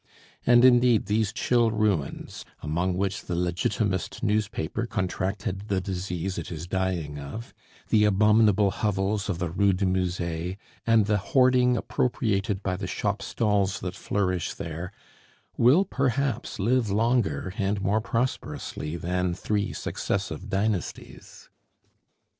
And indeed these chill ruins, among which the Legitimist newspaper contracted the disease it is dying of the abominable hovels of the Rue du Musee, and the hoarding appropriated by the shop stalls that flourish there will perhaps live longer and more prosperously than three successive dynasties.